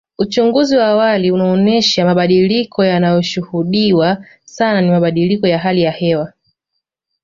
Uchunguzi wa awali unaonesha mabadiliko yanayoshuhudiwa sasa ni mabadiliko ya hali ya hewa